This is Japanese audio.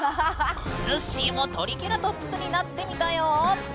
ぬっしーもトリケラトプスになってみたよ。